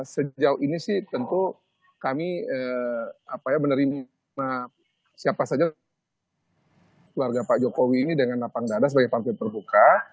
sejauh ini sih tentu kami menerima siapa saja keluarga pak jokowi ini dengan lapang dada sebagai partai terbuka